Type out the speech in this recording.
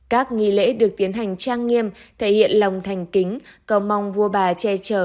các nghi lễ được tiến hành trang nghiêm thể hiện lòng thành kính cầu mong vua bà che trở